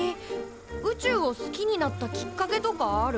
宇宙を好きになったきっかけとかある？